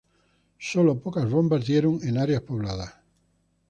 Solo pocas bombas dieron en áreas pobladas.